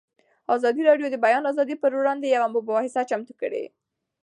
ازادي راډیو د د بیان آزادي پر وړاندې یوه مباحثه چمتو کړې.